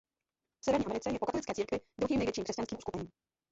V severní Americe je po katolické církvi druhým největším křesťanským uskupením.